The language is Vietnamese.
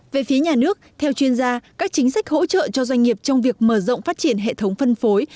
về phía nhà nước theo chuyên gia các chính sách hỗ trợ cho doanh nghiệp trong việc mở rộng phát triển hệ thống phân phối